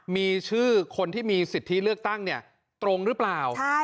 มีชื่อคนที่มีสิทธิเลือกตั้งตรงหรือเปล่า